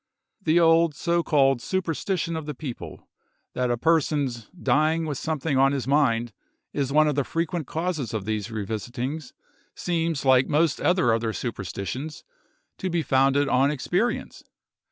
The old, so called, superstition of the people, that a person's "dying with something on his mind" is one of the frequent causes of these revisitings, seems, like most other of their superstitions, to be founded on experience.